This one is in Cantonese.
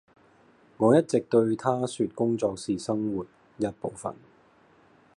我一直對她說工作是生活一部分